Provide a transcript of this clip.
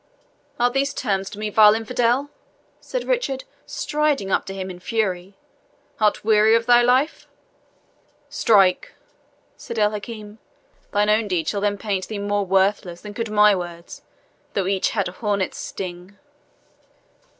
"Are these terms to me, vile infidel?" said Richard, striding up to him in fury. "Art weary of thy life?" "Strike!" said El Hakim; "thine own deed shall then paint thee more worthless than could my words, though each had a hornet's sting."